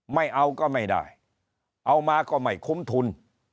ไม่เอาก็ไม่ได้เอามาก็ไม่คุ้มทุน